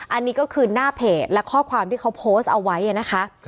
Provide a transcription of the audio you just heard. อันนี้ก็คือหน้าเพจและข้อความที่เขาโพสต์เอาไว้นะคะ